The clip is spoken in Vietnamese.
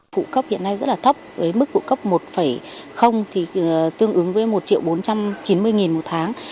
phụ cấp hiện nay rất là thấp mức phụ cấp một tương ứng với một triệu bốn trăm chín mươi nghìn một tháng